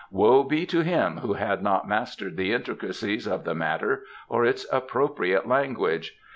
Woe be to him who had not mastered the intricacies of the matter, or its appropriate language.